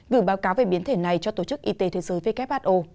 gửi báo cáo về biến thể này cho tổ chức y tế thế giới who